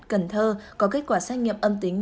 cần thơ có kết quả sách nghiệm âm tính